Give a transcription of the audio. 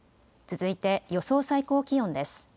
続いて予想最高気温です。